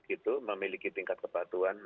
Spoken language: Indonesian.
itu memiliki tingkat kepatuhan